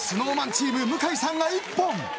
ＳｎｏｗＭａｎチーム向井さんがＩＰＰＯＮ。